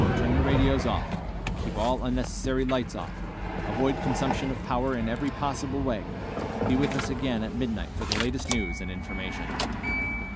Turn your radios off. Keep all unnecessary lights off. Avoid consumption of power in every possible way. Be with us again at midnight for the latest news and information."